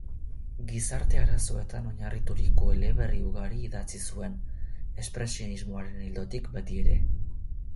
Gizarte-arazoetan oinarrituriko eleberri ugari idatzi zuen, espresionismoaren ildotik betiere.